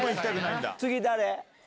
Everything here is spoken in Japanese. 次誰？